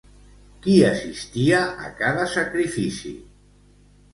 Qui assistia a cada sacrifici?